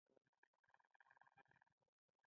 او د شاتو مچۍ کور پکښې جوړ کړي